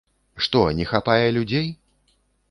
Што, не хапае людзей?